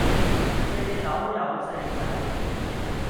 四樓有四仔